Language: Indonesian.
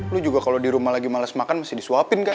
lu juga kalau di rumah lagi males makan masih disuapin kan